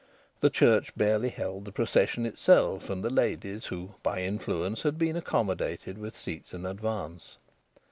The church barely held the procession itself and the ladies who, by influence, had been accommodated with seats in advance.